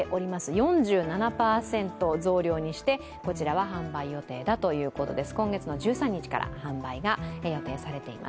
４７％増量にして販売予定だということです。